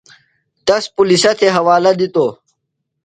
تس پُلِسہ تھےۡ حوالہ دِتوۡ۔